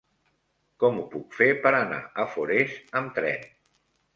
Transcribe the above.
Com ho puc fer per anar a Forès amb tren?